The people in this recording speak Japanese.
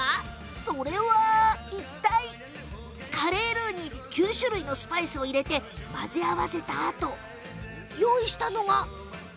それはカレールーに９種類のスパイスを入れて混ぜ合わせたあと用意したのが。